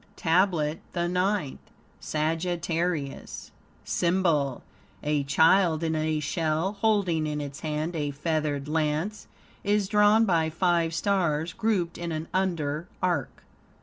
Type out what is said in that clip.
TABLET THE NINTH Saggitarius SYMBOL A child in a shell, holding in its hand a feathered lance, is drawn by five stars, grouped in an under arc.